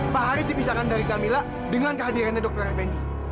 pak haris dipisahkan dari camilla dengan kehadirannya dokter fendi